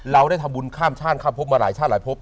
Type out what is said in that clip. เราได้ทำบุญข้ามชาติข้ามพบมาหลายชาติหลายพบ